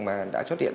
mà đã xuất hiện